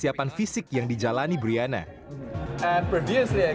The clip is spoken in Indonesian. ya saya melakukan banyak latihan muay thai